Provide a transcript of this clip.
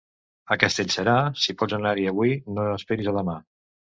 A Castellserà, si pots anar-hi avui, no esperis a demà.